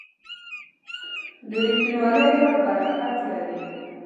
د رښتینولۍ لار برکت لري.